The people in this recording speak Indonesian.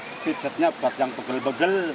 dan pijatnya buat yang pegel pegel